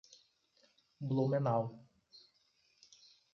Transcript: Blumenau